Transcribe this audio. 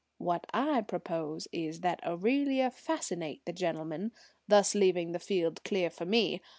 What I propose is that Aurelia fascinate the gentleman, thus leaving the field clear for me.